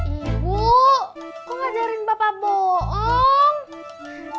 ibu mau ngajarin bapak bohong